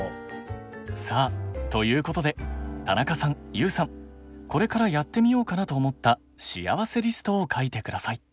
さあということで田中さんＹＯＵさんこれからやってみようかなと思ったしあわせリストを書いて下さい。